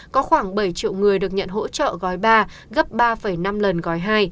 có khoảng bảy triệu người được nhận hỗ trợ gói ba gấp ba năm lần gói hai